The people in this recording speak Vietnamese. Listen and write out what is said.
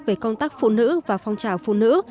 về công tác phụ nữ và phong trào phụ nữ